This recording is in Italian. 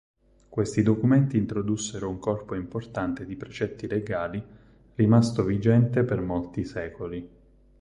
Questi documenti introdussero un corpo importante di precetti legali rimasto vigente per molti secoli.